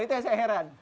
itu yang saya heran